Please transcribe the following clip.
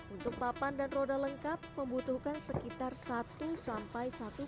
untuk papan dan roda lengkap membutuhkan sekitar satu sampai satu jam